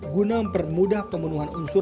guna mempermudah pemenuhan unsur